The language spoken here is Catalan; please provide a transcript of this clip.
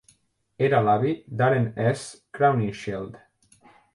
Era l'avi d'Arent S. Crowninshield.